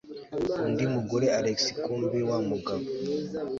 undi mugore alex kumbe wamugabo